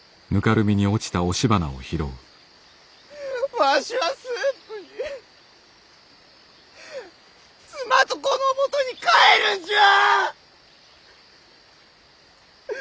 わしは駿府に妻と子のもとに帰るんじゃあ！